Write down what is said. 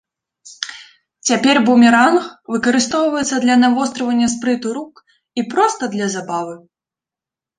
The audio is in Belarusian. Цяпер бумеранг выкарыстоўваецца для навострывання спрыту рук і проста для забавы.